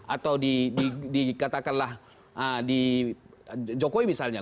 atau dikatakanlah di jokowi misalnya